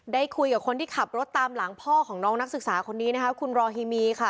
ได้คุยกับคนที่ขับรถตามหลังพ่อของน้องนักศึกษาคนนี้นะคะคุณรอฮิมีค่ะ